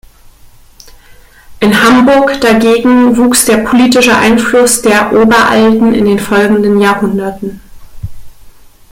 In Hamburg dagegen wuchs der politische Einfluss der Oberalten in den folgenden Jahrhunderten.